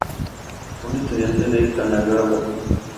Una estudiante de Kanagawa.